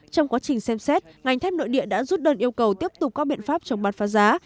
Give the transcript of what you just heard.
trong quá trình xem xét ngành thép nội địa đã rút đơn yêu cầu tiếp tục có biện pháp chống bán phá giá